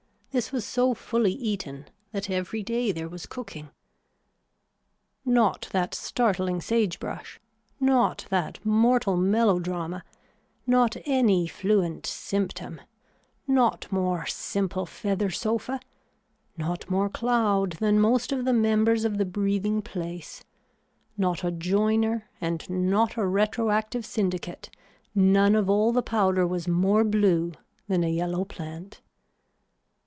This was so fully eaten that every day there was cooking. Not that startling sage brush, not that mortal melodrama, not any fluent symptom, not more simple feather sofa, not more cloud than most of the members of the breathing place, not a joiner and not a retroactive syndicate none of all the powder was more blue than a yellow plant.